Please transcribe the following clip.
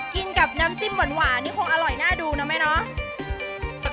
กินกับน้ำจิ้มหวานนี่คงอร่อยน่าดูนะแม่เนาะ